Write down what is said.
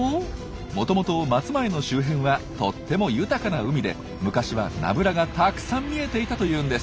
もともと松前の周辺はとっても豊かな海で昔はナブラがたくさん見えていたというんです。